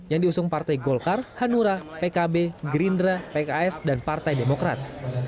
yang diusung partai golkar hanura pkb gerindra pks dan partai demokrat